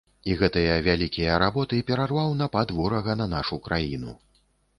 І гэтыя вялікія работы перарваў напад ворага на нашу краіну.